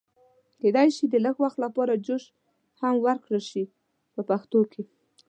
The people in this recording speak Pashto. کېدای شي د لږ وخت لپاره جوش هم ورکړل شي په پښتو کې.